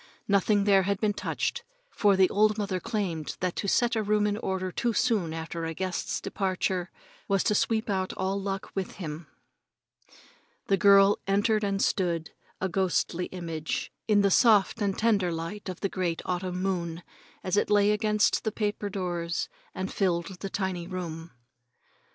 Nothing there had been touched, for the old mother claimed that to set a room in order too soon after a guest's departure was to sweep out all luck with him. The girl entered and stood, a ghostly image, in the soft and tender light of the great autumn moon as it lay against the paper doors and filled the tiny room.